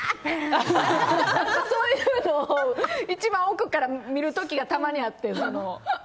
そういうのを一番奥から見る時がたまにあって。